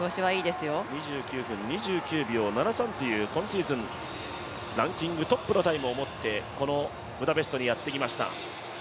２９分２９秒７３という、今シーズンランキングトップのタイムを持ってこのブダペストにやってきました。